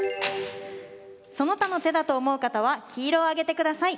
その他の手だと思う方は黄色を上げてください。